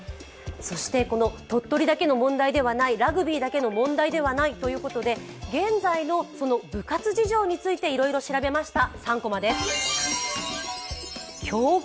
鳥取だけの問題ではないラグビーだけの問題ではないということで現在の部活事情についていろいろ調べました。